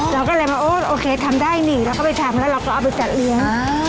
เราก็เลยมาโอ้โอเคทำได้นี่เราก็ไปทำแล้วเราก็เอาไปจัดเลี้ยง